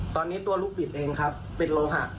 ตอนนี้ตัวลูกบิดเองครับเป็นโลหะ